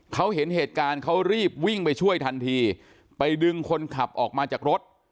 เขาเห็นเหตุการณ์เขารีบวิ่งไปช่วยทันทีไปดึงคนขับออกมาจากรถ